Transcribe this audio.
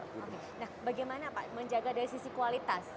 nah bagaimana pak menjaga dari sisi kualitas